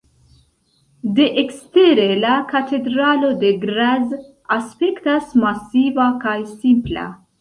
De ekstere la katedralo de Graz aspektas masiva kaj simpla.